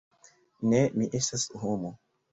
Ne, mi estas homo.